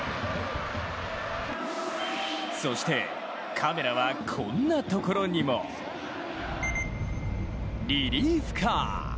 そして、カメラはこんなところにもリリーフカー。